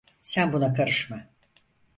Sen buna karışma.